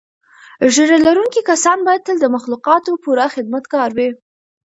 ږیره لرونکي کسان باید تل د مخلوقاتو پوره خدمتګار وي.